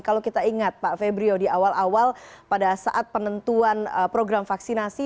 kalau kita ingat pak febrio di awal awal pada saat penentuan program vaksinasi